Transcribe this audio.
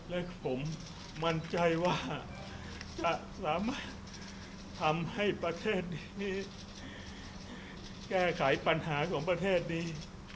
และผมมั่นใจว่าจะสามารถทำให้ประเทศนี้แก้ไขปัญหาของประเทศนี้